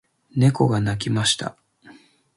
猫が鳴きました。